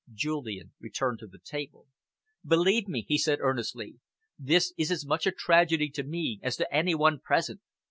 Julian returned to the table. "Believe me," he said earnestly, "this is as much a tragedy to me as to any one present.